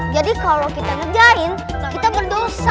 jadi kalau kita ngerjain kita berdosa